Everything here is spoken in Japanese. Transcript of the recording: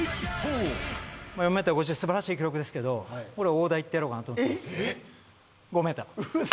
４メーター５０素晴らしい記録ですけど俺大台いってやろうかなって思ってます。